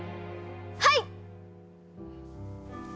はい！